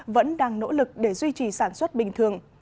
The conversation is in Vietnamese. vẫn đang nỗ lực để duy trì sản xuất bình thường